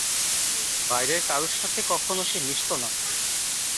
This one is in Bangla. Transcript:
বাইরের কারুর সাথে কখনো সে মিশত না।